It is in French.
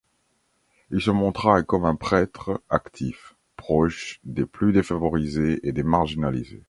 Il se montra comme un prêtre actif, proche des plus défavorisés et des marginalisés.